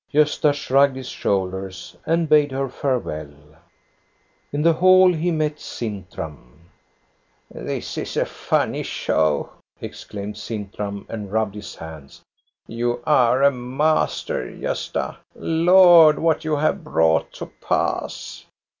Gosta shrugged his shoulders and bade her fare well. In the hall he met Sintram. " This is a funny show," exclaimed Sintram, and rubbed his hands. You are a master, Gosta. Lord, what you have brought to pass